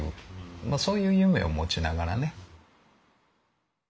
そういう夢を持ちながらね。